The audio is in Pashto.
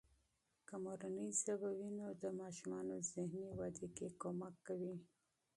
که مورنۍ ژبه وي، نو د ماشومانو ذهني ودې کې مرسته کوي.